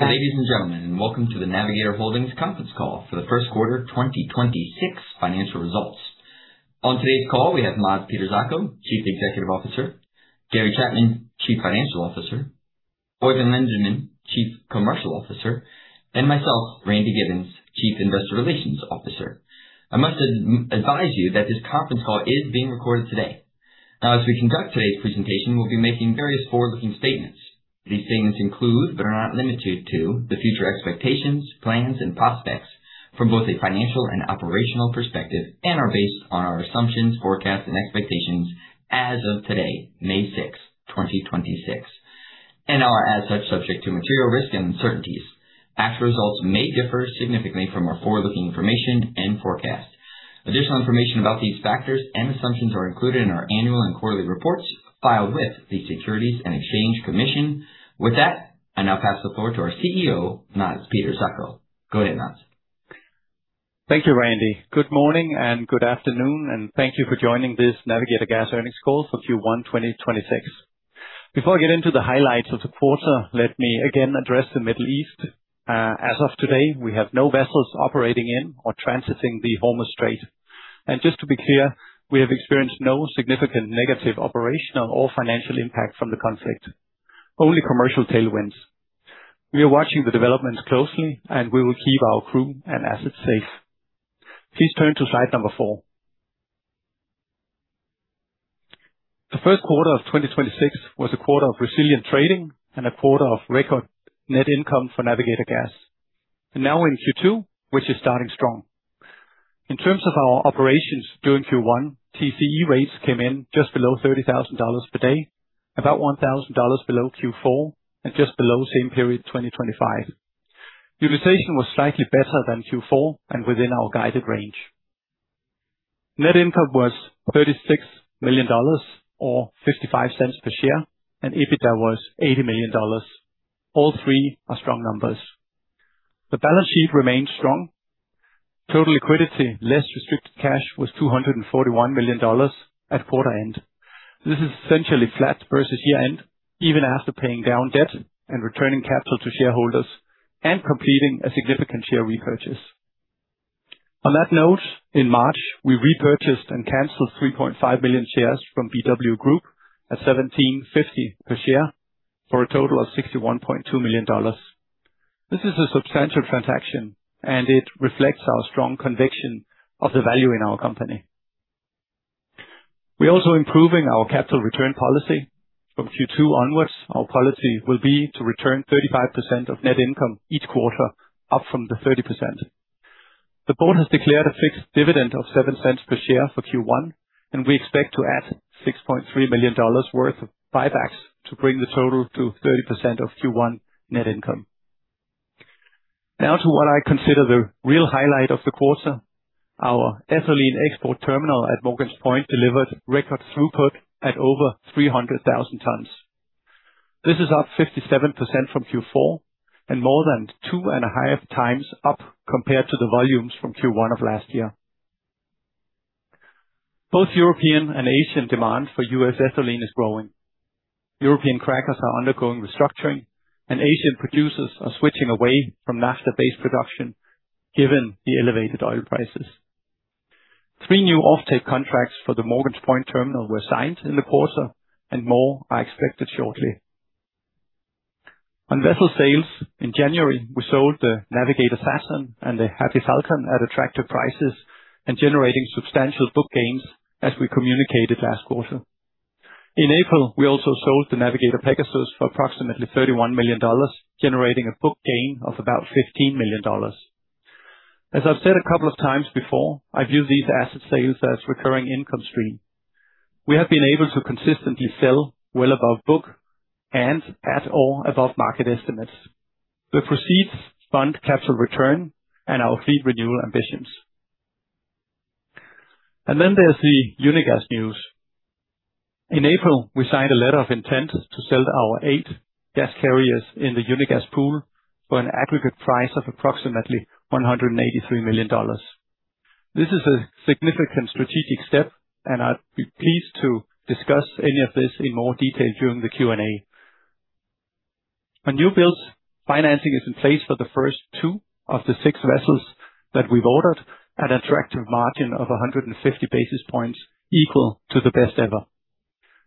Ladies and gentlemen, welcome to the Navigator Holdings conference call for the first quarter 2026 financial results. On today's call, we have Mads Peter Zacho, Chief Executive Officer, Gary Chapman, Chief Financial Officer, Oeyvind Lindeman, Chief Commercial Officer, and myself, Randy Giveans, Chief Investor Relations Officer. I must advise you that this conference call is being recorded today. As we conduct today's presentation, we'll be making various forward-looking statements. These statements include, but are not limited to, the future expectations, plans, and prospects from both a financial and operational perspective, and are based on our assumptions, forecasts, and expectations as of today, May sixth, 2026, and are as such subject to material risks and uncertainties. Actual results may differ significantly from our forward-looking information and forecasts. Additional information about these factors and assumptions are included in our annual and quarterly reports filed with the Securities and Exchange Commission. With that, I now pass the floor to our CEO, Mads Peter Zacho. Go ahead, Mads. Thank you, Randy. Good morning and good afternoon, thank you for joining this Navigator Gas earnings call for Q1 2026. Before I get into the highlights of the quarter, let me again address the Middle East. As of today, we have no vessels operating in or transiting the Hormuz Strait. Just to be clear, we have experienced no significant negative operational or financial impact from the conflict, only commercial tailwinds. We are watching the developments closely, we will keep our crew and assets safe. Please turn to slide number four. The first quarter of 2026 was a quarter of resilient trading and a quarter of record net income for Navigator Gas. Now in Q2, which is starting strong. In terms of our operations during Q1, TCE rates came in just below $30,000 per day, about $1,000 below Q4, and just below same period 2025. Utilization was slightly better than Q4 and within our guided range. Net income was $36 million or $0.55 per share, and EBITDA was $80 million. All three are strong numbers. The balance sheet remains strong. Total liquidity, less restricted cash, was $241 million at quarter end. This is essentially flat versus year-end, even after paying down debt and returning capital to shareholders and completing a significant share repurchase. On that note, in March, we repurchased and canceled 3.5 million shares from BW Group at $17.50 per share for a total of $61.2 million. This is a substantial transaction, and it reflects our strong conviction of the value in our company. We're also improving our capital return policy. From Q2 onwards, our policy will be to return 35% of net income each quarter, up from the 30%. The board has declared a fixed dividend of $0.07 per share for Q1, and we expect to add $6.3 million worth of buybacks to bring the total to 30% of Q1 net income. Now to what I consider the real highlight of the quarter. Our ethylene export terminal at Morgan's Point delivered record throughput at over 300,000 tons. This is up 57% from Q4, and more than 2.5x up compared to the volumes from Q1 of last year. Both European and Asian demand for U.S. ethylene is growing. European crackers are undergoing restructuring. Asian producers are switching away from naphtha-based production, given the elevated oil prices. three new offtake contracts for the Morgan's Point terminal were signed in the quarter. More are expected shortly. On vessel sales, in January, we sold the Navigator Saturn and the Happy Falcon at attractive prices and generating substantial book gains, as we communicated last quarter. In April, we also sold the Navigator Pegasus for approximately $31 million, generating a book gain of about $15 million. As I've said a couple of times before, I view these asset sales as recurring income stream. We have been able to consistently sell well above book and at or above market estimates. The proceeds fund capital return and our fleet renewal ambitions. There's the Unigas news. In April, we signed a letter of intent to sell our eight gas carriers in the Unigas Pool for an aggregate price of approximately $183 million. This is a significant strategic step, and I'd be pleased to discuss any of this in more detail during the Q&A. On new builds, financing is in place for the first two of the six vessels that we've ordered at attractive margin of 150 basis points, equal to the best ever.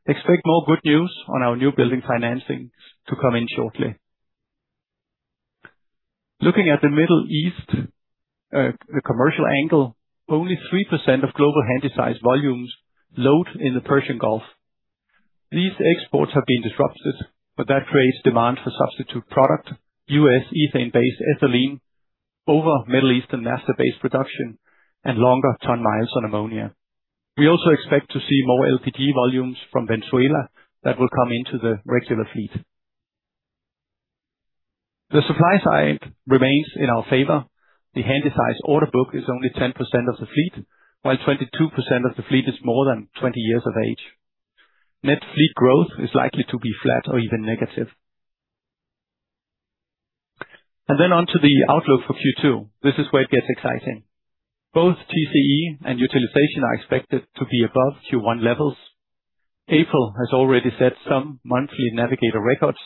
Expect more good news on our new building financing to come in shortly. Looking at the Middle East, the commercial angle, only 3% of global Handysize volumes load in the Persian Gulf. These exports have been disrupted, but that creates demand for substitute product, U.S. ethane-based ethylene over Middle Eastern naphtha-based production and longer ton-miles on ammonia. We also expect to see more LPG volumes from Venezuela that will come into the regular fleet. The supply side remains in our favor. The Handysize order book is only 10% of the fleet, while 22% of the fleet is more than 20 years of age. Net fleet growth is likely to be flat or even negative. On to the outlook for Q2. This is where it gets exciting. Both TCE and utilization are expected to be above Q1 levels. April has already set some monthly Navigator records.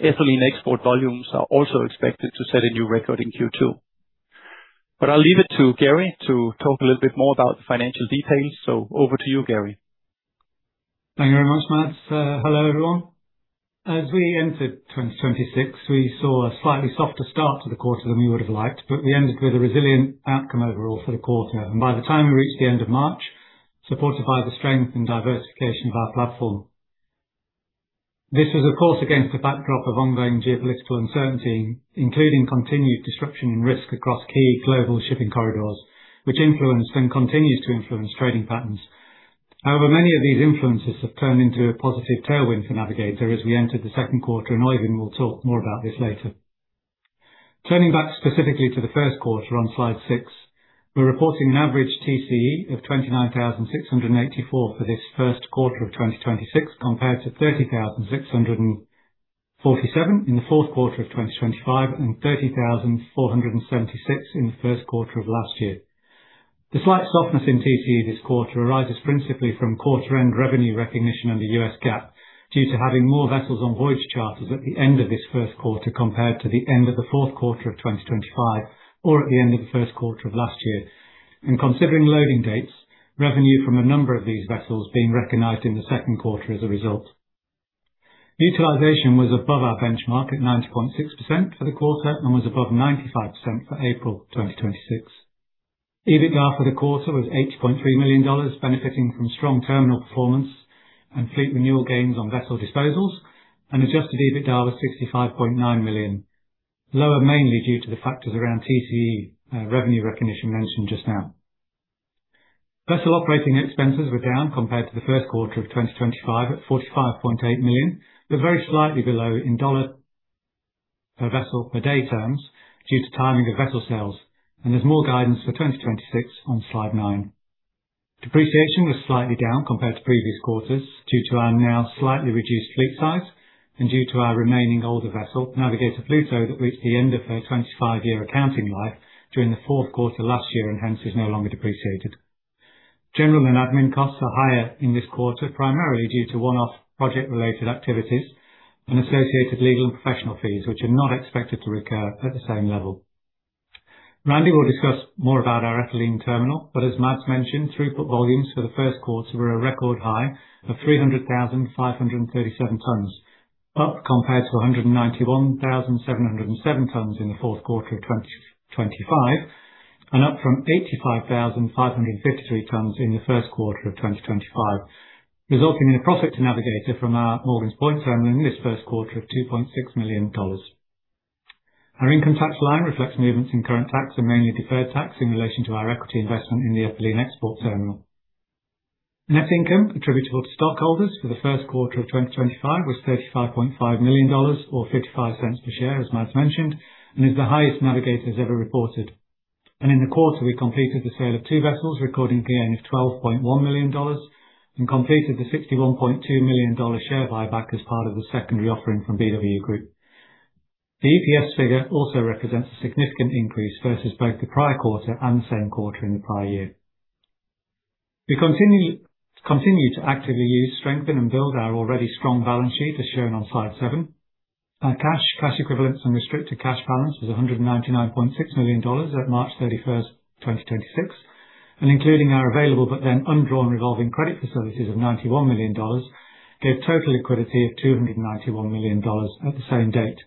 Ethylene export volumes are also expected to set a new record in Q2. I'll leave it to Gary to talk a little bit more about the financial details. Over to you, Gary. Thank you very much, Mads. Hello, everyone. As we entered 2026, we saw a slightly softer start to the quarter than we would have liked, but we ended with a resilient outcome overall for the quarter. By the time we reached the end of March, supported by the strength and diversification of our platform. This was, of course, against the backdrop of ongoing geopolitical uncertainty, including continued disruption and risk across key global shipping corridors, which influenced and continues to influence trading patterns. However, many of these influences have turned into a positive tailwind for Navigator as we entered the second quarter, and Oeyvind will talk more about this later. Turning back specifically to the first quarter on slide six, we're reporting an average TCE of 29,684 for this first quarter of 2026, compared to 30,647 in the fourth quarter of 2025 and 30,476 in the first quarter of last year. The slight softness in TCE this quarter arises principally from quarter end revenue recognition under U.S. GAAP, due to having more vessels on voyage charters at the end of this first quarter compared to the end of the fourth quarter of 2025 or at the end of the first quarter of last year. Considering loading dates, revenue from a number of these vessels being recognized in the second quarter as a result. Utilization was above our benchmark at 90.6% for the quarter and was above 95% for April 2026. EBITDA for the quarter was $8.3 million, benefiting from strong terminal performance and fleet renewal gains on vessel disposals. Adjusted EBITDA was $65.9 million, lower mainly due to the factors around TCE revenue recognition mentioned just now. Vessel operating expenses were down compared to the first quarter of 2025 at $45.8 million, very slightly below in dollar per vessel per day terms due to timing of vessel sales. There's more guidance for 2026 on slide nine. Depreciation was slightly down compared to previous quarters due to our now slightly reduced fleet size and due to our remaining older vessel, Navigator Pluto, that reached the end of her 25-year accounting life during the fourth quarter last year and hence is no longer depreciated. General and admin costs are higher in this quarter, primarily due to one-off project related activities and associated legal and professional fees, which are not expected to recur at the same level. Randy will discuss more about our ethylene terminal. As Mads mentioned, throughput volumes for the first quarter were a record high of 300,537 tons, up compared to 191,707 tons in the fourth quarter of 2025, and up from 85,553 tons in the first quarter of 2025, resulting in a profit to Navigator from our Morgan's Point terminal in this first quarter of $2.6 million. Our income tax line reflects movements in current tax and mainly deferred tax in relation to our equity investment in the ethylene export terminal. Net income attributable to stockholders for the first quarter of 2025 was $35.5 million or $0.55 per share, as Mads mentioned, and is the highest Navigator's ever reported. In the quarter, we completed the sale of two vessels, recording a gain of $12.1 million and completed the $61.2 million share buyback as part of the secondary offering from BW Group. The EPS figure also represents a significant increase versus both the prior quarter and the same quarter in the prior year. We continue to actively use, strengthen, and build our already strong balance sheet, as shown on slide seven. Our cash equivalents, and restricted cash balance was $199.6 million at 31st March 2026. Including our available but then undrawn revolving credit facilities of $91 million, gave total liquidity of $291 million at the same date.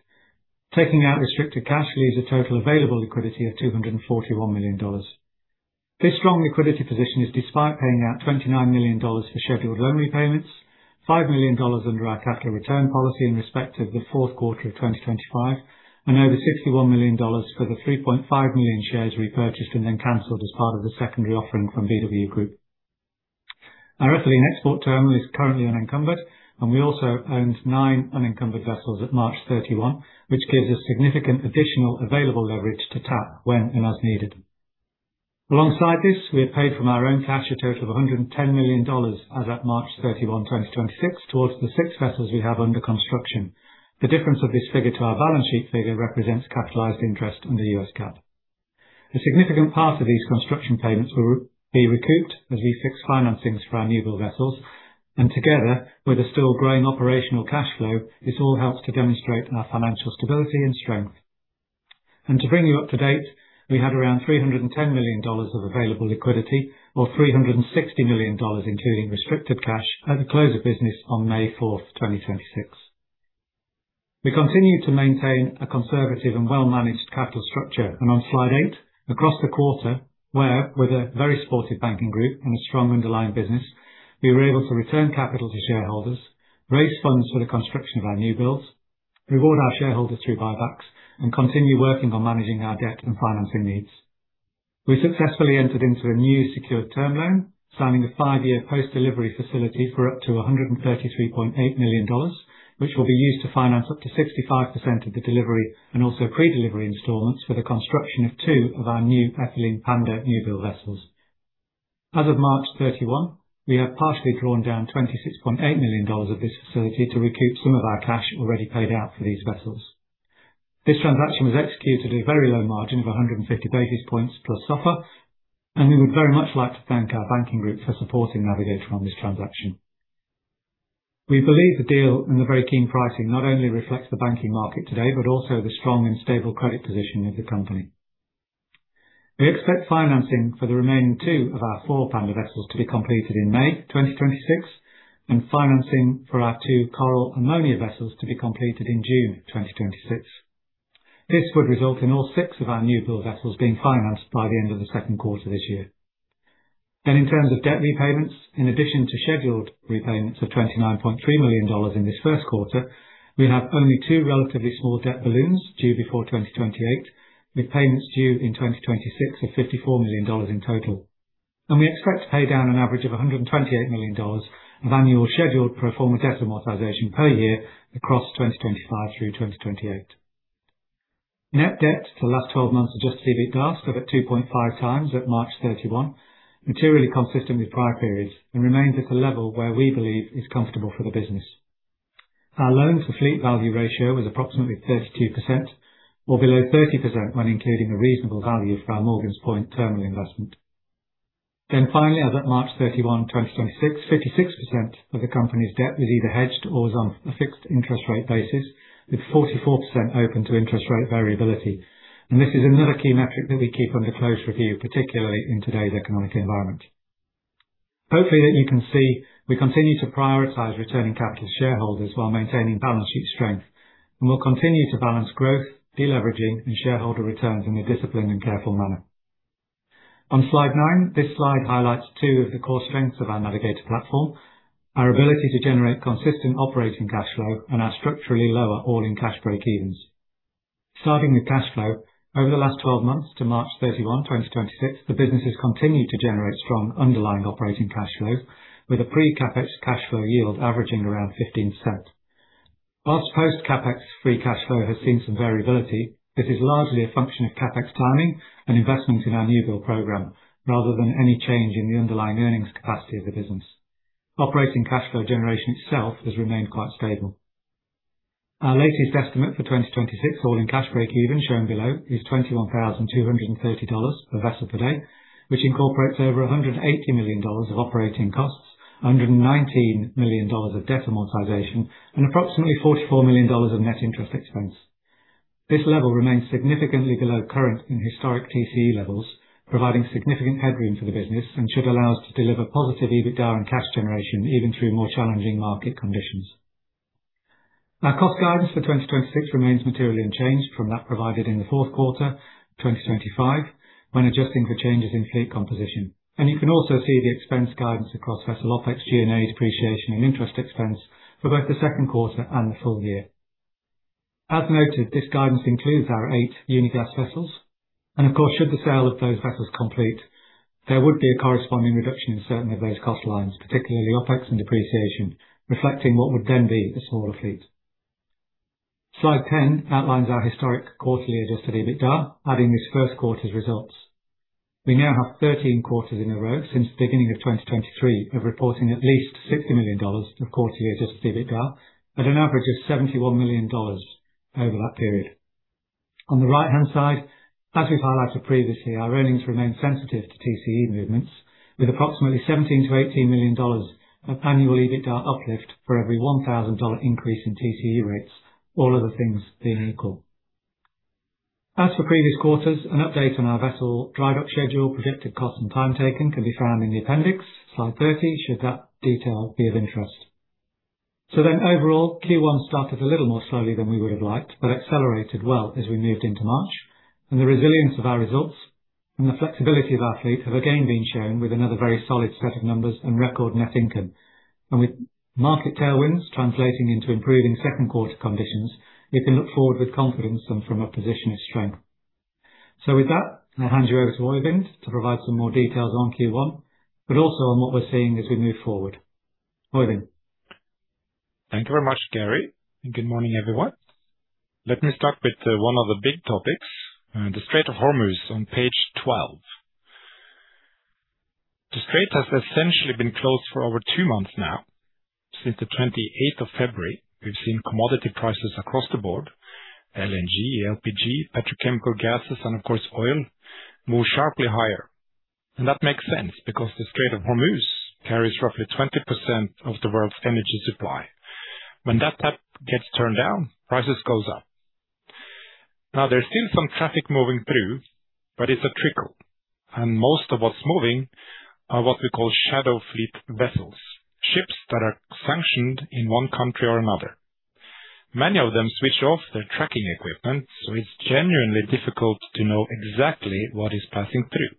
Taking out restricted cash leaves a total available liquidity of $241 million. This strong liquidity position is despite paying out $29 million for scheduled loan repayments, $5 million under our capital return policy in respect of the fourth quarter of 2025, and over $61 million for the 3.5 million shares repurchased and then canceled as part of the secondary offering from BW Group. Our ethylene export terminal is currently unencumbered, and we also owns nine unencumbered vessels at March 31st, which gives us significant additional available leverage to tap when and as needed. Alongside this, we have paid from our own cash a total of $110 million as at 31st March 2026 towards the 6 vessels we have under construction. The difference of this figure to our balance sheet figure represents capitalized interest in the U.S. GAAP. A significant part of these construction payments will be recouped as we fix financings for our newbuild vessels. Together with the still growing operational cash flow, this all helps to demonstrate our financial stability and strength. To bring you up to date, we had around $310 million of available liquidity or $360 million, including restricted cash, at the close of business on 4th May 2026. We continue to maintain a conservative and well-managed capital structure. On slide eight, across the quarter where with a very supportive banking group and a strong underlying business, we were able to return capital to shareholders, raise funds for the construction of our new builds, reward our shareholders through buybacks, and continue working on managing our debt and financing needs. We successfully entered into a new secured term loan, signing a five year post-delivery facility for up to $133.8 million, which will be used to finance up to 65% of the delivery and also pre-delivery installments for the construction of two of our new ethylene Panda newbuild vessels. As of March 31st, we have partially drawn down $26.8 million of this facility to recoup some of our cash already paid out for these vessels. This transaction was executed at a very low margin of 150 basis points plus offer. We would very much like to thank our banking group for supporting Navigator on this transaction. We believe the deal and the very keen pricing not only reflects the banking market today, but also the strong and stable credit position of the company. We expect financing for the remaining two of our four Panda vessels to be completed in May 2026, and financing for our two Coral Ammonia vessels to be completed in June 2026. This would result in all six of our newbuild vessels being financed by the end of the second quarter this year. In terms of debt repayments, in addition to scheduled repayments of $29.3 million in this first quarter, we have only two relatively small debt balloons due before 2028, with payments due in 2026 of $54 million in total. We expect to pay down an average of $128 million of annual scheduled pro forma debt amortization per year across 2025 through 2028. Net debt for the last 12 months adjusted EBITDA stood at 2.5x at March 31st, materially consistent with prior periods and remains at a level where we believe is comfortable for the business. Our loans to fleet value ratio was approximately 32% or below 30% when including the reasonable value for our Morgan's Point terminal investment. Finally, as at 31st March 2026, 56% of the company's debt was either hedged or was on a fixed interest rate basis, with 44% open to interest rate variability. This is another key metric that we keep under close review, particularly in today's economic environment. Hopefully that you can see we continue to prioritize returning capital to shareholders while maintaining balance sheet strength. We'll continue to balance growth, de-leveraging, and shareholder returns in a disciplined and careful manner. On slide nine, this slide highlights two of the core strengths of our Navigator platform, our ability to generate consistent operating cash flow and our structurally lower all-in cash break evens. Starting with cash flow, over the last 12 months to 31st March 2026, the businesses continued to generate strong underlying operating cash flows with a pre-CapEx cash flow yield averaging around 15%. Whilst post CapEx free cash flow has seen some variability, this is largely a function of CapEx planning and investment in our newbuild program rather than any change in the underlying earnings capacity of the business. Operating cash flow generation itself has remained quite stable. Our latest estimate for 2026 all in cash break-even, shown below, is $21,230 per vessel per day, which incorporates over $180 million of operating costs, $119 million of debt amortization, and approximately $44 million of net interest expense. This level remains significantly below current and historic TCE levels, providing significant headroom for the business and should allow us to deliver positive EBITDA and cash generation even through more challenging market conditions. Our cost guidance for 2026 remains materially unchanged from that provided in the fourth quarter, 2025, when adjusting for changes in fleet composition. You can also see the expense guidance across vessel OpEx, G&A, depreciation, and interest expense for both the second quarter and the full year. As noted, this guidance includes our 8 Unigas vessels. Of course, should the sale of those vessels complete, there would be a corresponding reduction in certain of those cost lines, particularly OpEx and depreciation, reflecting what would then be the smaller fleet. Slide 10 outlines our historic quarterly adjusted EBITDA, adding this first quarter's results. We now have 13 quarters in a row since the beginning of 2023 of reporting at least $60 million of quarterly adjusted EBITDA at an average of $71 million over that period. On the right-hand side, as we highlighted previously, our earnings remain sensitive to TCE movements with approximately $17 million-$18 million of annual EBITDA uplift for every $1,000 increase in TCE rates, all other things being equal. As for previous quarters, an update on our vessel dry dock schedule, projected cost, and time taken can be found in the appendix, slide 30, should that detail be of interest. Overall, Q1 started a little more slowly than we would have liked, but accelerated well as we moved into March. The resilience of our results and the flexibility of our fleet have again been shown with another very solid set of numbers and record net income. With market tailwinds translating into improving second quarter conditions, we can look forward with confidence and from a position of strength. With that, I hand you over to Oeyvind to provide some more details on Q1, but also on what we're seeing as we move forward. Oeyvind. Thank you very much, Gary, and good morning, everyone. Let me start with one of the big topics, the Strait of Hormuz on page 12. The Strait has essentially been closed for over two months now. Since the 28th of February, we've seen commodity prices across the board, LNG, LPG, petrochemical gases, and of course, oil move sharply higher. That makes sense because the Strait of Hormuz carries roughly 20% of the world's energy supply. When that tap gets turned down, prices goes up. There's still some traffic moving through, but it's a trickle. Most of what's moving are what we call shadow fleet vessels, ships that are sanctioned in one country or another. Many of them switch off their tracking equipment, so it's genuinely difficult to know exactly what is passing through.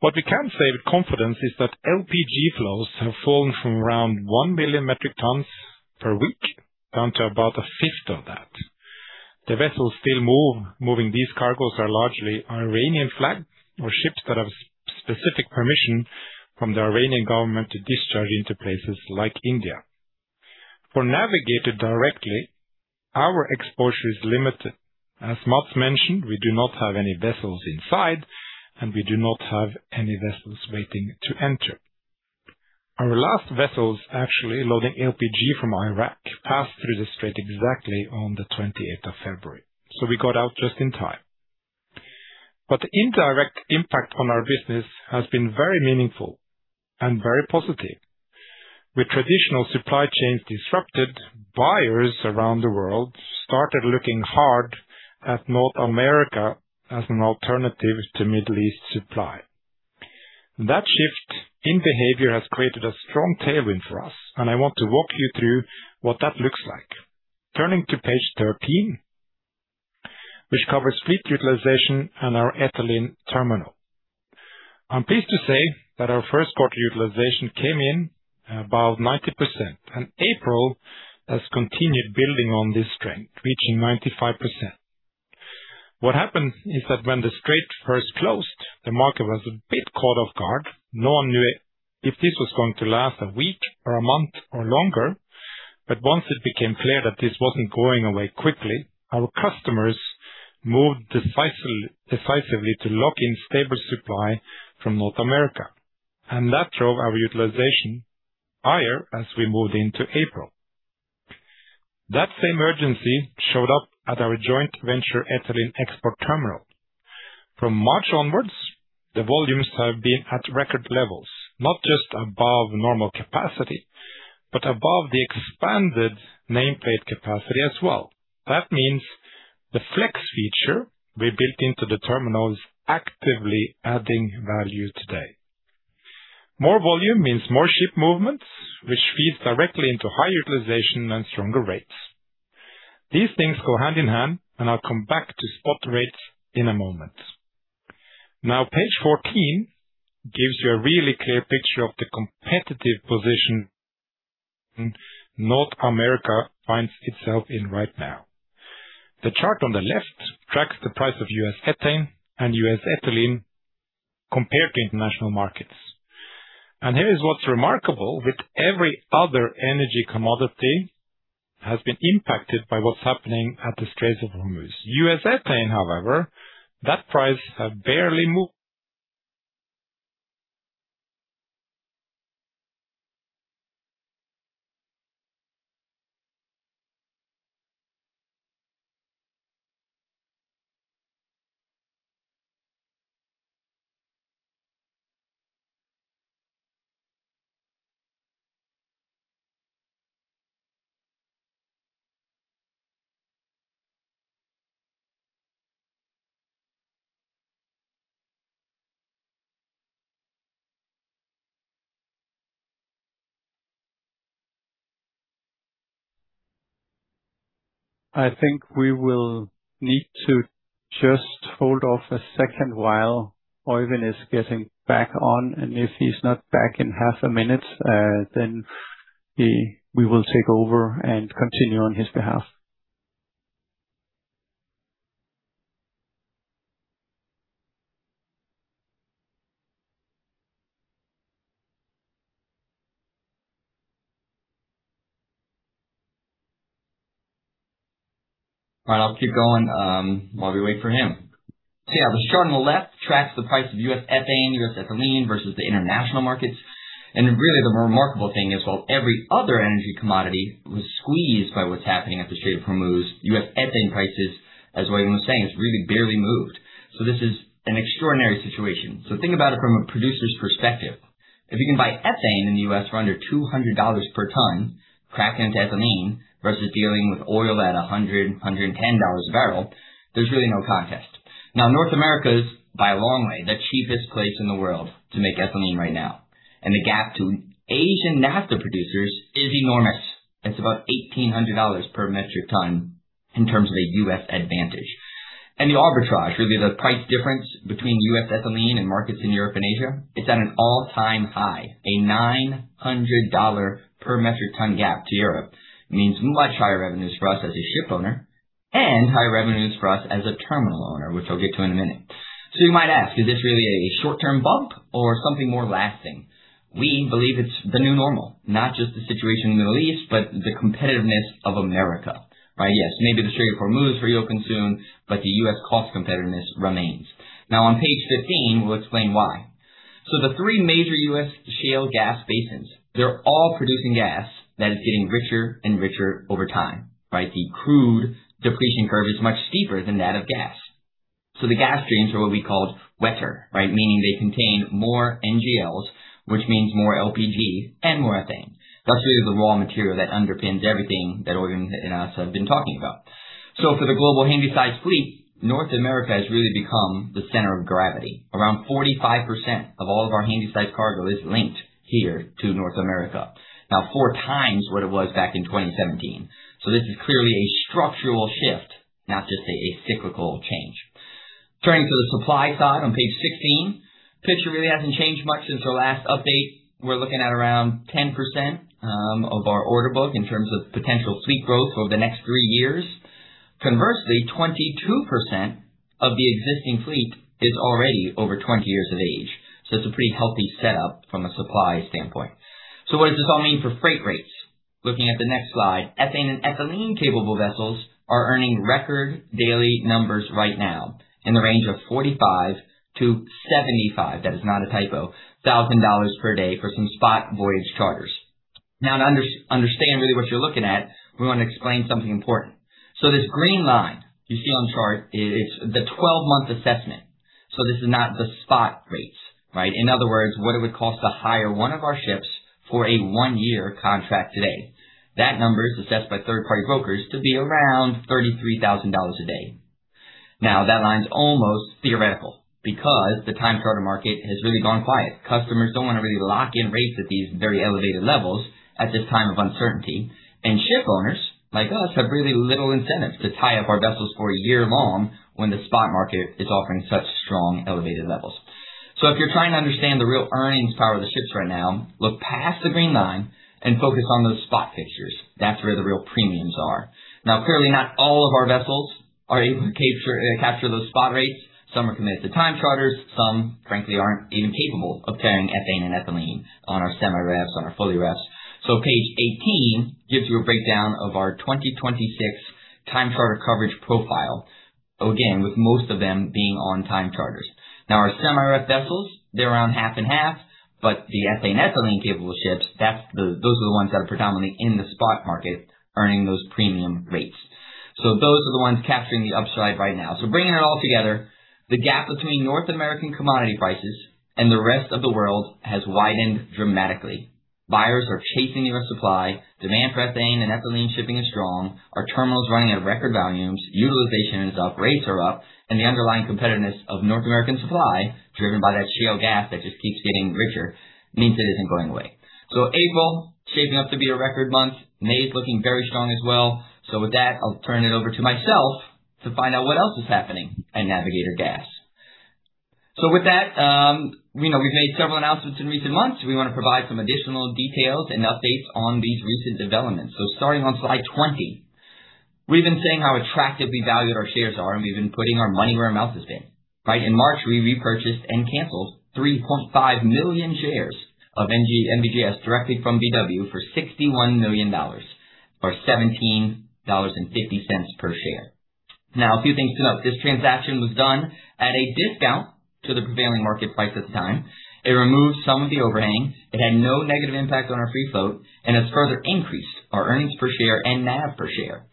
What we can say with confidence is that LPG flows have fallen from around 1 billion metric tons per week down to about a fifth of that. The vessels still move. Moving these cargos are largely Iranian flagged or ships that have specific permission from the Iranian government to discharge into places like India. For Navigator directly, our exposure is limited. As Mads mentioned, we do not have any vessels inside, and we do not have any vessels waiting to enter. Our last vessels actually loading LPG from Iraq passed through the strait exactly on the 28th of February. We got out just in time. The indirect impact on our business has been very meaningful and very positive. With traditional supply chains disrupted, buyers around the world started looking hard at North America as an alternative to Middle East supply. That shift in behavior has created a strong tailwind for us, and I want to walk you through what that looks like. Turning to page 13, which covers fleet utilization and our ethylene terminal. I'm pleased to say that our 1st quarter utilization came in about 90%, and April has continued building on this trend, reaching 95%. What happened is that when the strait first closed, the market was a bit caught off guard. No one knew if this was going to last a week or a month or longer. Once it became clear that this wasn't going away quickly, our customers moved decisively to lock in stable supply from North America, and that drove our utilization higher as we moved into April. That same urgency showed up at our joint venture ethylene export terminal. From March onwards, the volumes have been at record levels, not just above normal capacity, but above the expanded nameplate capacity as well. That means the flex feature we built into the terminal is actively adding value today. More volume means more ship movements, which feeds directly into high utilization and stronger rates. These things go hand in hand. I'll come back to spot rates in a moment. Page 14 gives you a really clear picture of the competitive position North America finds itself in right now. The chart on the left tracks the price of U.S. ethane and U.S. ethylene compared to international markets. Here is what's remarkable. While every other energy commodity has been impacted by what's happening at the Strait of Hormuz. U.S. ethane, however, that price have barely moved. I think we will need to just hold off a second while Oeyvind is getting back on. If he is not back in half a minute, we will take over and continue on his behalf. All right, I'll keep going while we wait for him. Yeah, the chart on the left tracks the price of U.S. ethane, U.S. ethylene versus the international markets. Really, the remarkable thing is, while every other energy commodity was squeezed by what's happening at the Strait of Hormuz, U.S. ethane prices, as Oeyvind was saying, has really barely moved. This is an extraordinary situation. Think about it from a producer's perspective. If you can buy ethane in the U.S. for under $200 per ton, crack it into ethylene versus dealing with oil at $100, $110 a barrel, there's really no contest. Now, North America's, by a long way, the cheapest place in the world to make ethylene right now. The gap to Asian naphtha producers is enormous. It's about $1,800 per metric ton in terms of a U.S. advantage. The arbitrage, really the price difference between U.S. ethylene and markets in Europe and Asia is at an all-time high. A $900 per metric ton gap to Europe means much higher revenues for us as a shipowner and higher revenues for us as a terminal owner, which I'll get to in a minute. You might ask, is this really a short-term bump or something more lasting? We believe it's the new normal, not just the situation in the Middle East, but the competitiveness of America, right? Yes. Maybe the Strait of Hormuz reopens soon, the U.S. cost competitiveness remains. On page 15, we'll explain why. The three major U.S. shale gas basins, they're all producing gas that is getting richer and richer over time, right? The crude depletion curve is much steeper than that of gas. The gas streams are what we called wetter, right? Meaning they contain more NGLs, which means more LPG and more ethane. That's really the raw material that underpins everything that Oeyvind and us have been talking about. For the global Handysize fleet, North America has really become the center of gravity. Around 45% of all of our Handysize cargo is linked here to North America. Now 4x what it was back in 2017. This is clearly a structural shift, not just a cyclical change. Turning to the supply side on page 16. Picture really hasn't changed much since our last update. We're looking at around 10% of our order book in terms of potential fleet growth over the next 3 years. Conversely, 22% of the existing fleet is already over 20 years of age. It's a pretty healthy setup from a supply standpoint. What does this all mean for freight rates? Looking at the next slide, ethane and ethylene capable vessels are earning record daily numbers right now in the range of $45,000-$75,000 per day for some spot voyage charters. Now to understand really what you're looking at, we want to explain something important. This green line you see on the chart is the 12-month assessment. This is not the spot rates, right? In other words, what it would cost to hire one of our ships for a one year contract today. That number is assessed by third-party brokers to be around $33,000 a day. That line's almost theoretical because the time charter market has really gone quiet. Customers don't want to really lock in rates at these very elevated levels at this time of uncertainty. Ship owners like us have really little incentive to tie up our vessels for a year-long when the spot market is offering such strong elevated levels. If you're trying to understand the real earnings power of the ships right now, look past the green line and focus on those spot pictures. That's where the real premiums are. Clearly, not all of our vessels are able to capture those spot rates. Some are committed to time charters. Some, frankly, aren't even capable of carrying ethane and ethylene on our semi-refs, on our fully-ref. Page 18 gives you a breakdown of our 2026 time charter coverage profile. Again, with most of them being on time charters. Our semi-ref vessels, they're around half and half. The ethane ethylene capable ships, those are the ones that are predominantly in the spot market earning those premium rates. Those are the ones capturing the upside right now. Bringing it all together, the gap between North American commodity prices and the rest of the world has widened dramatically. Buyers are chasing U.S. supply. Demand for ethane and ethylene shipping is strong. Our terminal is running at record volumes. Utilization is up, rates are up, and the underlying competitiveness of North American supply, driven by that shale gas that just keeps getting richer, means it isn't going away. April shaping up to be a record month. May is looking very strong as well. I'll turn it over to myself to find out what else is happening at Navigator Gas. You know, we've made several announcements in recent months. We want to provide some additional details and updates on these recent developments. Starting on slide 20, we've been saying how attractively valued our shares are, and we've been putting our money where our mouth is being, right. In March, we repurchased and canceled 3.5 million shares of NVGS directly from BW for $61 million, or $17.50 per share. A few things to note. This transaction was done at a discount to the prevailing market price at the time. It removed some of the overhangs. It had no negative impact on our free float and has further increased our earnings per share and NAV per share.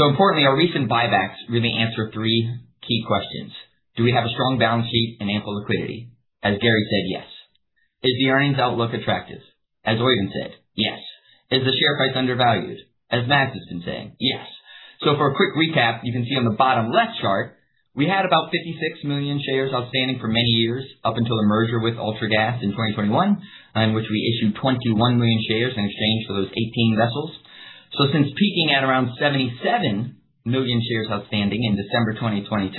importantly, our recent buybacks really answer three key questions. Do we have a strong balance sheet and ample liquidity? As Gary said, yes. Is the earnings outlook attractive? As Oeyvind said, yes. Is the share price undervalued? As Mads has been saying, yes. For a quick recap, you can see on the bottom left chart, we had about 56 million shares outstanding for many years up until the merger with Ultragas in 2021, in which we issued 21 million shares in exchange for those 18 vessels. Since peaking at around 77 million shares outstanding in December 2022,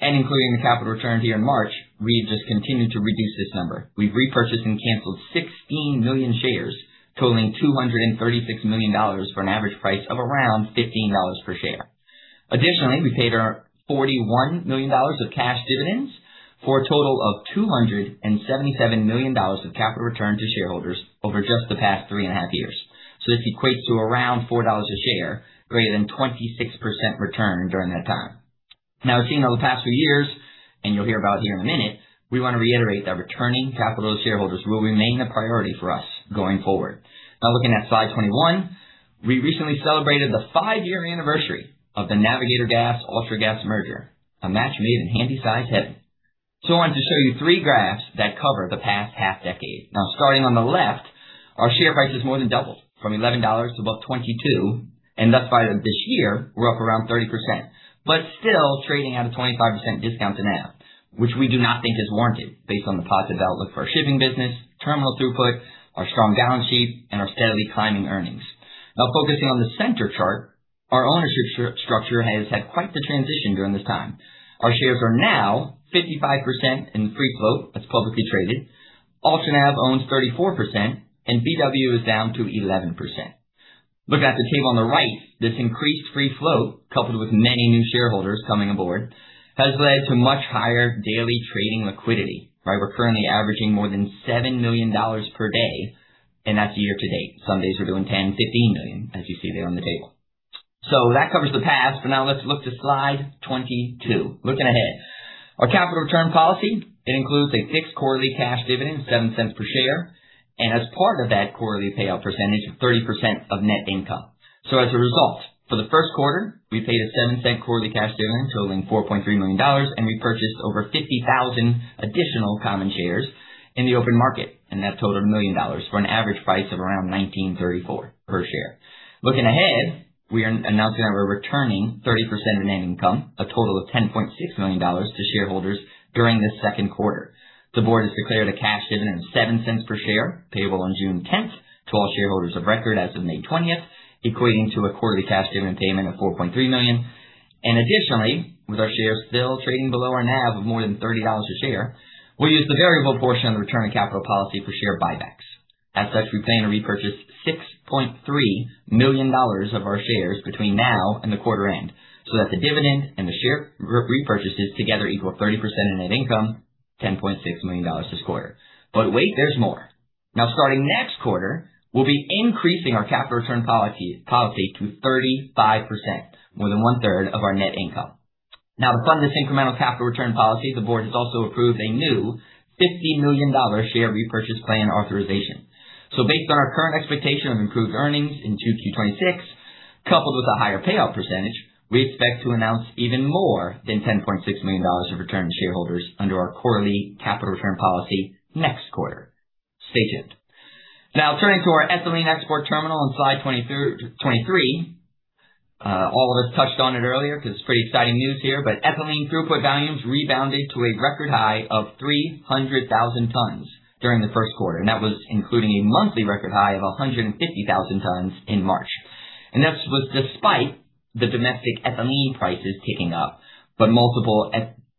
and including the capital return here in March, we've just continued to reduce this number. We've repurchased and canceled 16 million shares, totaling $236 million for an average price of around $15 per share. Additionally, we paid our $41 million of cash dividends for a total of $277 million of capital return to shareholders over just the past three and a half years. This equates to around $4 a share, greater than 26% return during that time. Seeing over the past few years, and you'll hear about here in a minute, we want to reiterate that returning capital to shareholders will remain a priority for us going forward. Looking at slide 21, we recently celebrated the five-year anniversary of the Navigator Gas Ultragas merger, a match made in Handysize heaven. I wanted to show you three graphs that cover the past half decade. Starting on the left, our share price has more than doubled from $11 to about $22, and thus far this year we're up around 30%, but still trading at a 25% discount to NAV, which we do not think is warranted based on the positive outlook for our shipping business, terminal throughput, our strong balance sheet, and our steadily climbing earnings. Focusing on the center chart, our ownership structure has had quite the transition during this time. Our shares are now 55% in free float that's publicly traded. Ultranav owns 34% and BW is down to 11%. Looking at the table on the right, this increased free float, coupled with many new shareholders coming aboard, has led to much higher daily trading liquidity, right. We're currently averaging more than $7 million per day, and that's year to date. Some days we're doing $10 million, $15 million, as you see there on the table. That covers the past. Now let's look to slide 22. Looking ahead, our capital return policy, it includes a fixed quarterly cash dividend, $0.07 per share, and as part of that quarterly payout percentage of 30% of net income. As a result, for the first quarter, we paid a $0.07 quarterly cash dividend totaling $4.3 million, and repurchased over 50,000 additional common shares in the open market. That totaled $1 million for an average price of around $19.34 per share. Looking ahead, we are announcing that we're returning 30% of net income, a total of $10.6 million to shareholders during this second quarter. The board has declared a cash dividend of $0.07 per share, payable on June 10th to all shareholders of record as of May 20th, equating to a quarterly cash dividend payment of $4.3 million. Additionally, with our shares still trading below our NAV of more than $30 a share, we'll use the variable portion of the return on capital policy for share buybacks. As such, we plan to repurchase $6.3 million of our shares between now and the quarter end, so that the dividend and the share repurchases together equal 30% of net income. $10.6 million this quarter. Wait, there's more. Starting next quarter, we'll be increasing our capital return policy to 35%, more than one-third of our net income. To fund this incremental capital return policy, the board has also approved a new $50 million share repurchase plan authorization. Based on our current expectation of improved earnings in 2Q 2026, coupled with a higher payout percentage, we expect to announce even more than $10.6 million of return to shareholders under our quarterly capital return policy next quarter. Stay tuned. Turning to our ethylene export terminal on slide 23, all of us touched on it earlier because it's pretty exciting news here, ethylene throughput volumes rebounded to a record high of 300,000 tons during the first quarter, and that was including a monthly record high of 150,000 tons in March. This was despite the domestic ethylene prices ticking up, but multiple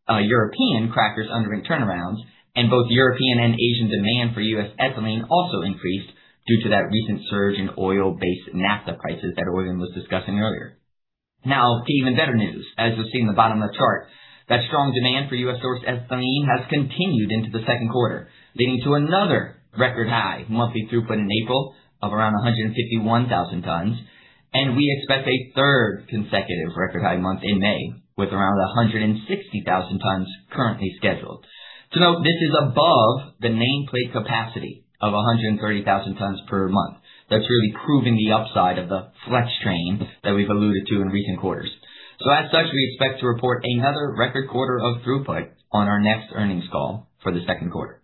European crackers undergoing turnarounds and both European and Asian demand for U.S. ethylene also increased due to that recent surge in oil-based naphtha prices that Oeyvind was discussing earlier. To even better news, as we've seen in the bottom of the chart, that strong demand for U.S.-sourced ethylene has continued into the second quarter, leading to another record high monthly throughput in April of around 151,000 tons. We expect a third consecutive record high month in May, with around 160,000 tons currently scheduled. To note, this is above the nameplate capacity of 130,000 tons per month. That is really proving the upside of the flex train that we have alluded to in recent quarters. As such, we expect to report another record quarter of throughput on our next earnings call for the second quarter.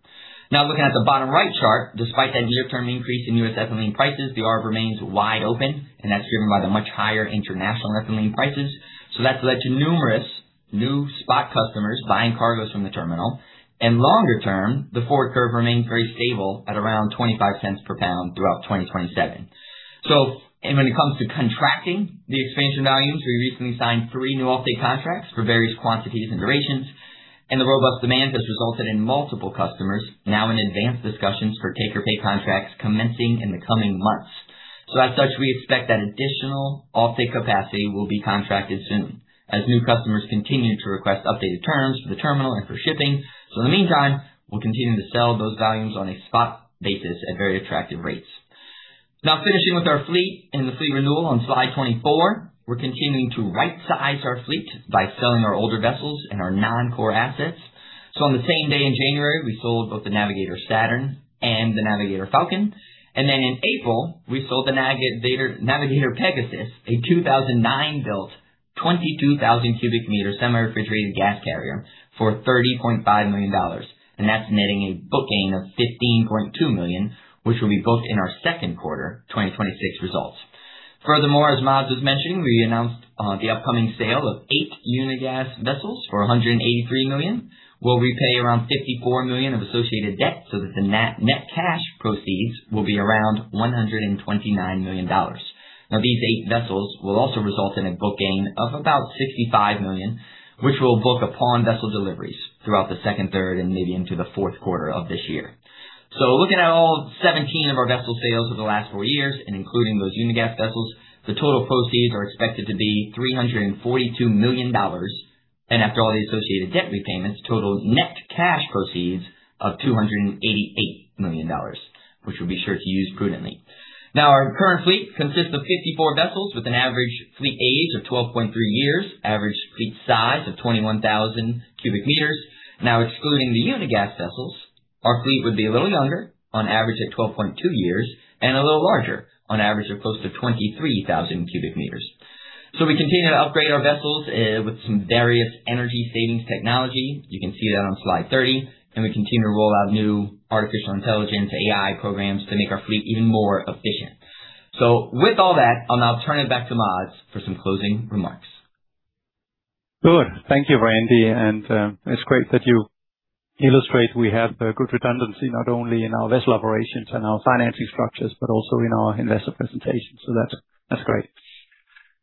Looking at the bottom right chart, despite that near-term increase in U.S. ethylene prices, the ARB remains wide open, and that's driven by the much higher international ethylene prices. That's led to numerous new spot customers buying cargoes from the terminal. Longer term, the forward curve remains very stable at around $0.25 per pound throughout 2027. When it comes to contracting the expansion volumes, we recently signed three new offtake contracts for various quantities and durations, and the robust demand has resulted in multiple customers now in advanced discussions for take-or-pay contracts commencing in the coming months. As such, we expect that additional offtake capacity will be contracted soon as new customers continue to request updated terms for the terminal and for shipping. In the meantime, we'll continue to sell those volumes on a spot basis at very attractive rates. Finishing with our fleet and the fleet renewal on slide 24. We're continuing to right-size our fleet by selling our older vessels and our non-core assets. On the same day in January, we sold both the Navigator Saturn and the Navigator Falcon. In April, we sold the Navigator Pegasus, a 2009-built 22,000 cubic meter semi-refrigerated gas carrier for $30.5 million. That's netting a book gain of $15.2 million, which will be booked in our second quarter 2026 results. Furthermore, as Mads was mentioning, we announced the upcoming sale of eight Unigas vessels for $183 million. We'll repay around $54 million of associated debt so that the net cash proceeds will be around $129 million. These eight vessels will also result in a book gain of about $65 million, which we'll book upon vessel deliveries throughout the second, third, and maybe into the fourth quarter of this year. Looking at all 17 of our vessel sales over the last four years and including those Unigas vessels, the total proceeds are expected to be $342 million. After all the associated debt repayments, total net cash proceeds of $288 million, which we'll be sure to use prudently. Our current fleet consists of 54 vessels with an average fleet age of 12.3 years, average fleet size of 21,000 cubic meters. Excluding the Unigas vessels, our fleet would be a little younger on average at 12.2 years and a little larger on average of close to 23,000 cubic meters. We continue to upgrade our vessels with some various energy savings technology. You can see that on slide 30. We continue to roll out new artificial intelligence, AI programs to make our fleet even more efficient. With all that, I'll now turn it back to Mads for some closing remarks. Good. Thank you, Randy. It's great that you illustrate we have a good redundancy not only in our vessel operations and our financing structures, but also in our investor presentation. That's great.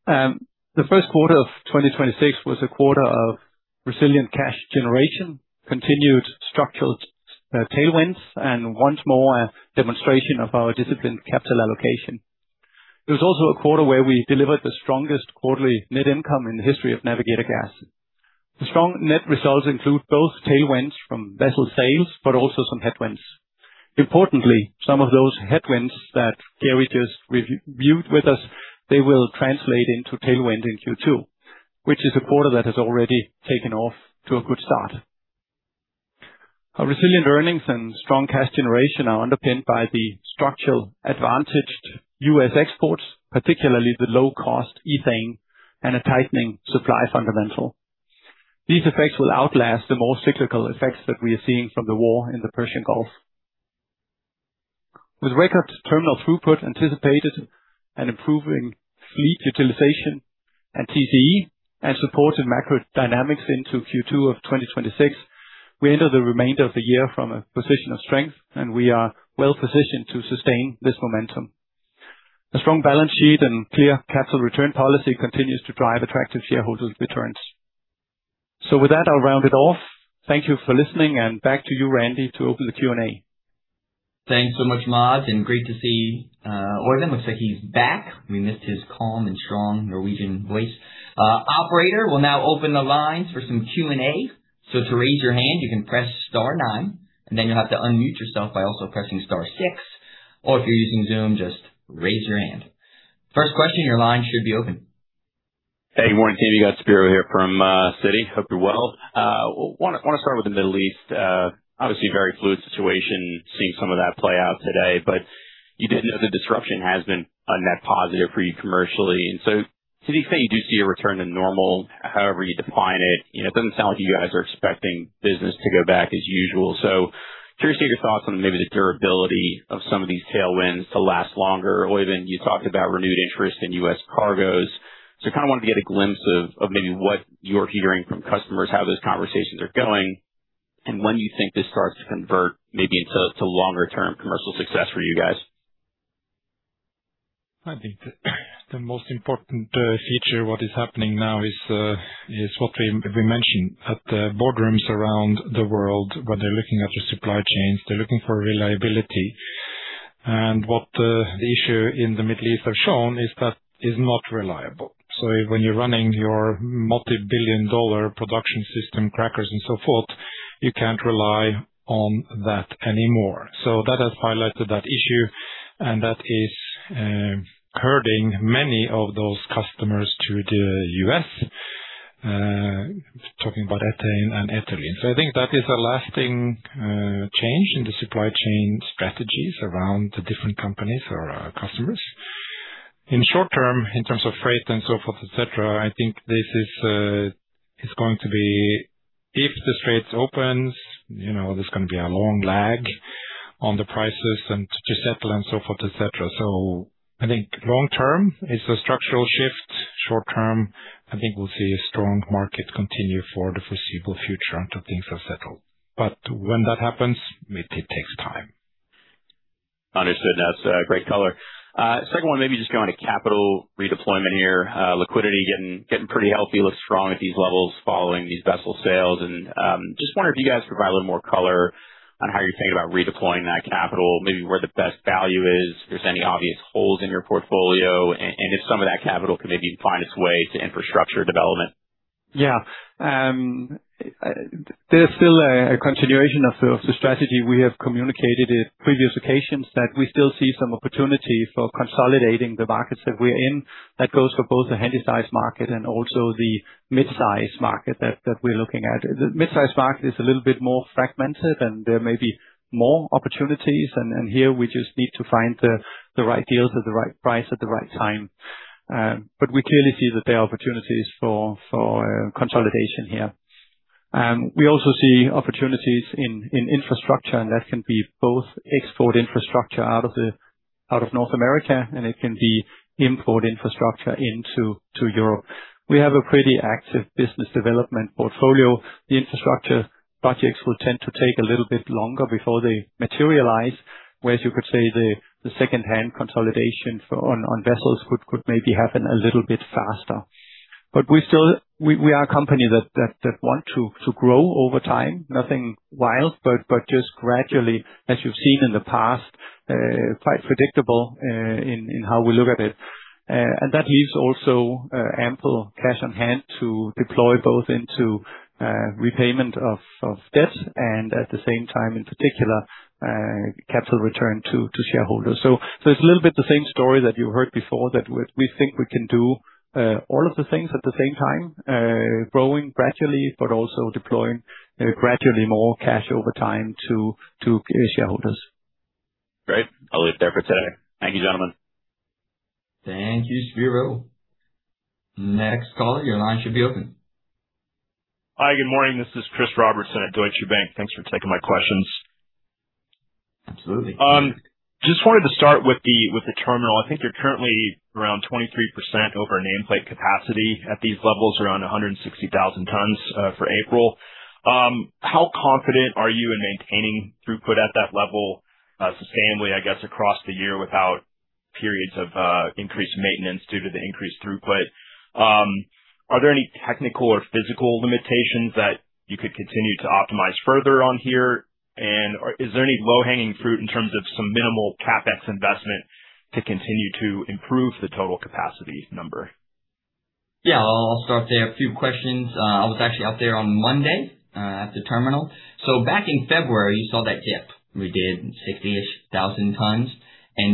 The first quarter of 2026 was a quarter of resilient cash generation, continued structural tailwinds, and once more a demonstration of our disciplined capital allocation. It was also a quarter where we delivered the strongest quarterly net income in the history of Navigator Gas. The strong net results include both tailwinds from vessel sales, but also some headwinds. Importantly, some of those headwinds that Gary just reviewed with us, they will translate into tailwind in Q2, which is a quarter that has already taken off to a good start. Our resilient earnings and strong cash generation are underpinned by the structural advantaged U.S. exports, particularly the low-cost ethane and a tightening supply fundamental. These effects will outlast the more cyclical effects that we are seeing from the war in the Persian Gulf. With record terminal throughput anticipated and improving fleet utilization and TCE and supported macro dynamics into Q2 of 2026, we enter the remainder of the year from a position of strength, and we are well-positioned to sustain this momentum. A strong balance sheet and clear capital return policy continues to drive attractive shareholder returns. With that, I'll round it off. Thank you for listening, and back to you, Randy, to open the Q&A. Thanks so much, Mads. Great to see Oeyvind. Looks like he's back. We missed his calm and strong Norwegian voice. Operator will now open the lines for some Q&A. To raise your hand you can press star nine, then you'll have to unmute yourself by also pressing star six. If you're using Zoom, just raise your hand. First question, your line should be open. Hey, morning team. You got Spiro here from Citi. Hope you're well. wanna start with the Middle East. Obviously very fluid situation, seeing some of that play out today. You did know the disruption has been a net positive for you commercially. To the extent you do see a return to normal, however you define it, you know, it doesn't sound like you guys are expecting business to go back as usual. Curious to hear your thoughts on maybe the durability of some of these tailwinds to last longer. Even you talked about renewed interest in U.S. cargoes. Kinda wanted to get a glimpse of maybe what you're hearing from customers, how those conversations are going, and when you think this starts to convert maybe into longer term commercial success for you guys. I think the most important feature, what is happening now is what we mentioned. At the boardrooms around the world, when they're looking at the supply chains, they're looking for reliability. What the issue in the Middle East has shown is that is not reliable. When you're running your multi-billion dollar production system, crackers and so forth, you can't rely on that anymore. That has highlighted that issue and that is herding many of those customers to the U.S. Talking about ethane and ethylene. I think that is a lasting change in the supply chain strategies around the different companies or our customers. In short term, in terms of freight and so forth, et cetera, I think this is going to be if the straits opens, you know, there's going to be a long lag on the prices and to settle and so forth, et cetera. I think long term is a structural shift. Short term, I think we'll see a strong market continue for the foreseeable future until things are settled. When that happens, it takes time. Understood. That's great color. Second one, maybe just going to capital redeployment here. Liquidity getting pretty healthy. Looks strong at these levels following these vessel sales. Just wonder if you guys could provide a little more color on how you're thinking about redeploying that capital, maybe where the best value is, if there's any obvious holes in your portfolio, and if some of that capital could maybe find its way to infrastructure development. There's still a continuation of the strategy we have communicated at previous occasions that we still see some opportunity for consolidating the markets that we're in. That goes for both the Handysize market and also the mid-size market that we're looking at. The mid-size market is a little bit more fragmented and there may be more opportunities. Here we just need to find the right deals at the right price at the right time. We clearly see that there are opportunities for consolidation here. We also see opportunities in infrastructure, that can be both export infrastructure out of North America, and it can be import infrastructure into Europe. We have a pretty active business development portfolio. The infrastructure projects will tend to take a little bit longer before they materialize, whereas you could say the secondhand consolidation for on vessels could maybe happen a little bit faster. We still We are a company that want to grow over time. Nothing wild, but just gradually, as you've seen in the past, quite predictable in how we look at it. That leaves also ample cash on hand to deploy both into repayment of debts and at the same time in particular, capital return to shareholders. It's a little bit the same story that you heard before, that we think we can do all of the things at the same time, growing gradually but also deploying gradually more cash over time to shareholders. Great. I'll leave it there for today. Thank you, gentlemen. Thank you, Spiro. Next caller, your line should be open. Hi, good morning. This is Christopher Robertson at Deutsche Bank. Thanks for taking my questions. Absolutely. Just wanted to start with the, with the terminal. I think you're currently around 23% over nameplate capacity at these levels, around 160,000 tons for April. How confident are you in maintaining throughput at that level sustainably, I guess, across the year without periods of increased maintenance due to the increased throughput? Are there any technical or physical limitations that you could continue to optimize further on here? Is there any low-hanging fruit in terms of some minimal CapEx investment to continue to improve the total capacity number? I'll start there. A few questions. I was actually out there on Monday at the terminal. Back in February, you saw that dip. We did 60-ish thousand tons.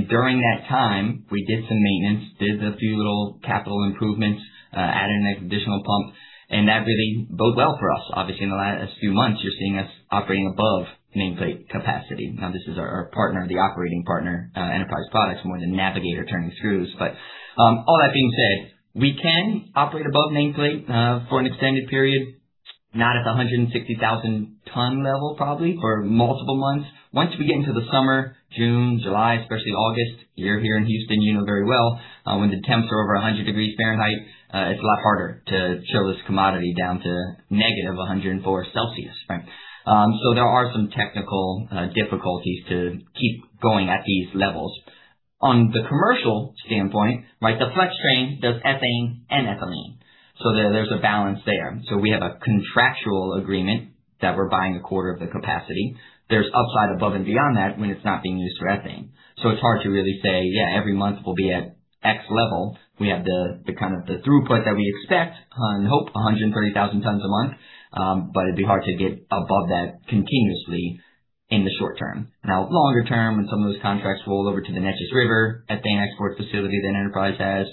During that time we did some maintenance, did a few little capital improvements, added an additional pump, and that really bode well for us. Obviously, in the last few months you're seeing us operating above nameplate capacity. This is our partner, the operating partner, Enterprise Products more than Navigator turning screws. All that being said, we can operate above nameplate for an extended period, not at the 160,000 ton level, probably for multiple months. Once we get into the summer, June, July, especially August, you're here in Houston, you know very well, when the temps are over 100 degrees Fahrenheit, it's a lot harder to chill this commodity down to negative 104 degrees Celsius, right? There are some technical difficulties to keep going at these levels. On the commercial standpoint, right? The flex train does ethane and ethylene. There's a balance there. We have a contractual agreement that we're buying a quarter of the capacity. There's upside above and beyond that when it's not being used for ethane. It's hard to really say, yeah, every month will be at X level. We have the kind of the throughput that we expect and hope, 130,000 tons a month. It'd be hard to get above that continuously in the short term. Longer term, when some of those contracts roll over to the Neches River ethane export facility that Enterprise has,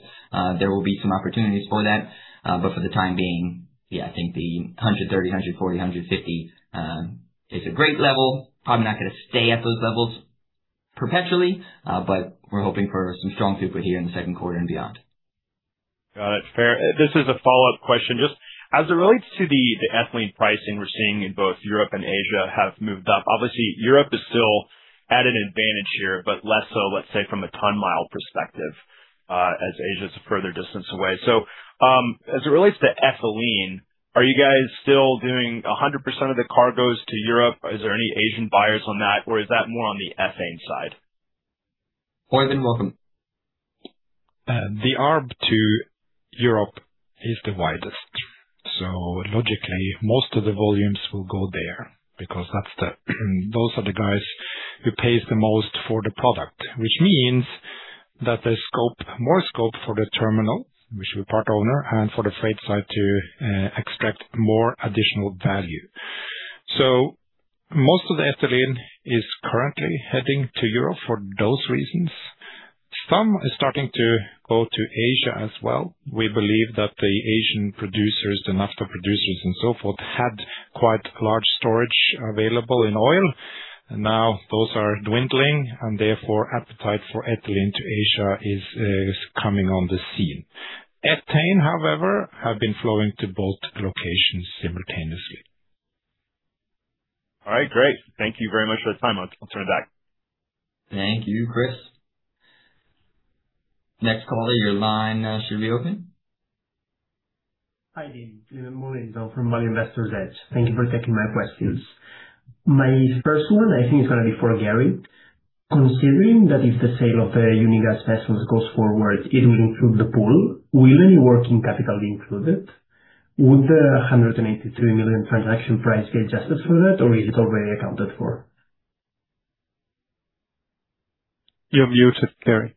there will be some opportunities for that. For the time being, I think the 130, 140, 150, is a great level. Probably not gonna stay at those levels perpetually, but we're hoping for some strong throughput here in the second quarter and beyond. Got it. Fair. This is a follow-up question. Just as it relates to the ethylene pricing we're seeing in both Europe and Asia have moved up. Obviously, Europe is still at an advantage here, but less so, let's say, from a ton-mile perspective, as Asia's a further distance away. As it relates to ethylene, are you guys still doing 100% of the cargos to Europe? Is there any Asian buyers on that, or is that more on the ethane side? Oeyvind, welcome. The ARB to Europe is the widest. Logically, most of the volumes will go there because that's those are the guys who pays the most for the product. Means that the scope, more scope for the terminal, which we're part owner, and for the freight side to extract more additional value. Most of the ethylene is currently heading to Europe for those reasons. Some is starting to go to Asia as well. We believe that the Asian producers, the naphtha producers and so forth, had quite large storage available in oil. Now those are dwindling and therefore appetite for ethylene to Asia is coming on the scene. Ethane, however, have been flowing to both locations simultaneously. All right. Great. Thank you very much for the time. I'll turn it back. Hi Dean. J. Mintzmyer from Value Investor's Edge. Thank you for taking my questions. My first one, I think it's gonna be for Gary. Considering that if the sale of the Unigas vessels goes forward, it will include the pool. Will any working capital be included? Would the 183 million transaction price get adjusted for that, or is it already accounted for? You're muted, Gary.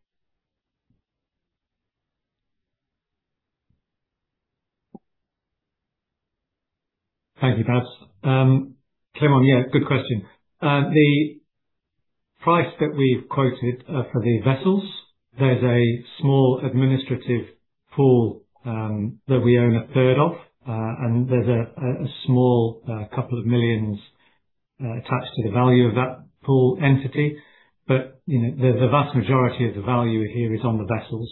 Thank you, Mads. J. Mintzmyer, yeah, good question. The price that we've quoted for the vessels, there's a small administrative pool that we own a third of. And there's a small $2 million attached to the value of that pool entity. You know, the vast majority of the value here is on the vessels.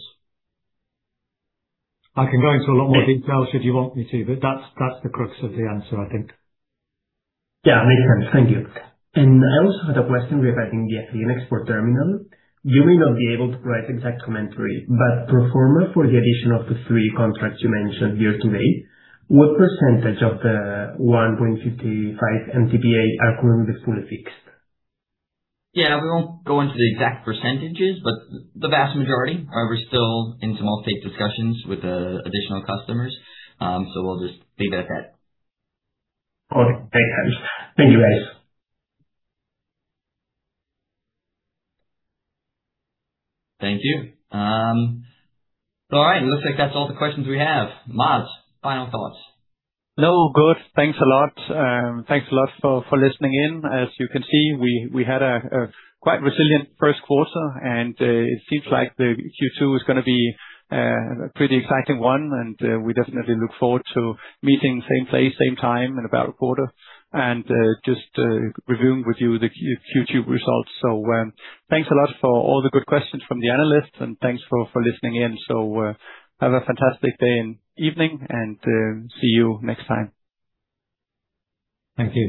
I can go into a lot more detail should you want me to, but that's the crux of the answer, I think. Yeah. Makes sense. Thank you. I also had a question regarding the ethylene export terminal. You may not be able to provide exact commentary, but pro forma for the addition of the three contracts you mentioned year to date, what % of the 1.55 MTPA are currently fully fixed? Yeah, we won't go into the exact percentages, but the vast majority. However, we're still in some offtake discussions with additional customers. We'll just leave it at that. Perfect. Thanks. Thank you, guys. Thank you. All right. It looks like that's all the questions we have. Mads, final thoughts. No, good. Thanks a lot. Thanks a lot for listening in. As you can see, we had a quite resilient first quarter. It seems like the Q2 is gonna be a pretty exciting one. We definitely look forward to meeting same place, same time in about a quarter and just reviewing with you the Q2 results. Thanks a lot for all the good questions from the analysts and thanks for listening in. Have a fantastic day and evening. See you next time. Thank you.